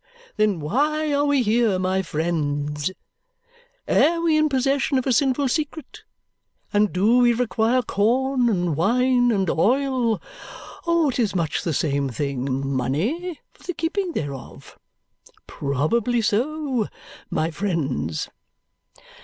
Then why are we here, my friends? Air we in possession of a sinful secret, and do we require corn, and wine, and oil, or what is much the same thing, money, for the keeping thereof? Probably so, my friends."